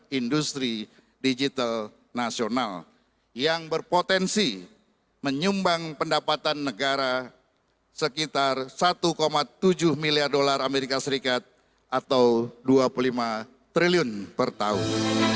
bamsud menuturkan jika esports merupakan olahraga yang menyebabkan kegiatan industri digital nasional yang berpotensi menyumbang pendapatan negara sekitar satu tujuh miliar dolar amerika serikat atau dua puluh lima triliun per tahun